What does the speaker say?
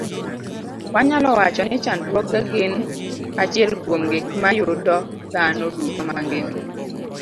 Wanyalo wacho ni chandruoge gin achiel kuom gik ma yudo dhano duto mangima